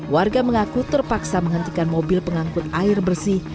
warga mengaku terpaksa menghentikan mobil pengangkut air bersih